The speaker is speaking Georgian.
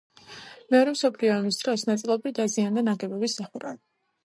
მეორე მსოფლიო ომის დროს ნაწილობრივ დაზიანდა ნაგებობის სახურავი.